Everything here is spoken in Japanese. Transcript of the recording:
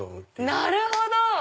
なるほど！